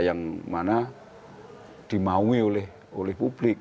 yang mana dimaui oleh publik